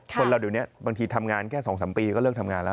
คนเราเดี๋ยวนี้บางทีทำงานแค่๒๓ปีก็เลิกทำงานแล้ว